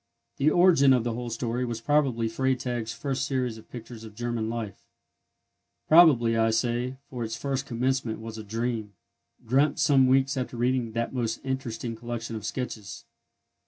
The origin of the whole story was probably Freytag's first series of pictures of German Life: probably, I say, for its first commencement was a dream, dreamt some weeks after reading that most interesting collection of sketches.